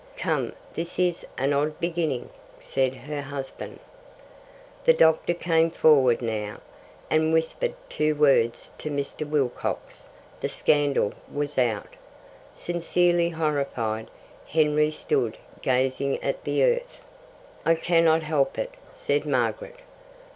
"Come, this is an odd beginning," said her husband. The doctor came forward now, and whispered two words to Mr. Wilcox the scandal was out. Sincerely horrified, Henry stood gazing at the earth. "I cannot help it," said Margaret.